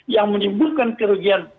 yang menimbulkan kerugian